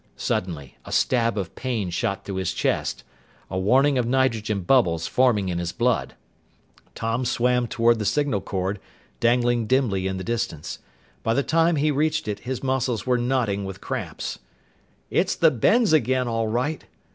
Suddenly a stab of pain shot through his chest a warning of nitrogen bubbles forming in his blood! Tom swam toward the signal cord, dangling dimly in the distance. By the time he reached it, his muscles were knotting with cramps. "It's the bends again, all right!"